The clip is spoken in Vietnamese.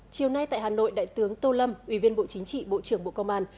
chiều nay tại hà nội đại tướng tô lâm ủy viên bộ chính trị bộ trưởng bộ công an